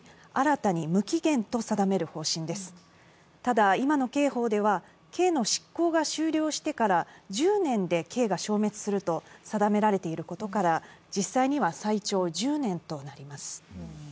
ただ今の刑法では刑の執行が終了してから１０年で刑が消滅すると定められていることから、実際には最長１０年となります。